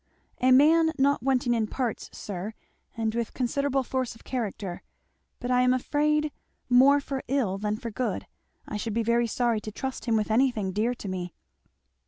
"A man not wanting in parts, sir, and with considerable force of character, but I am afraid more for ill than for good. I should be very sorry to trust him with anything dear to me."